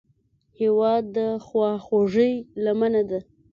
هېواد د خواخوږۍ لمنه ده.